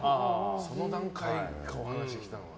その段階か、お話きたのは。